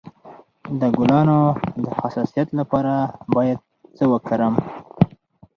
د ګلانو د حساسیت لپاره باید څه وکاروم؟